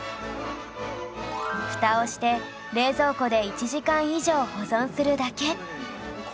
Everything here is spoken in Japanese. フタをして冷蔵庫で１時間以上保存するだけ